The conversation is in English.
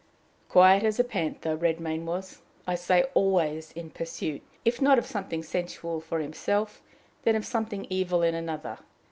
Quiet as a panther, Redmain was, I say, always in pursuit, if not of something sensual for himself, then of something evil in another.